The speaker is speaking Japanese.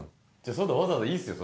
そんなんわざわざいいですよ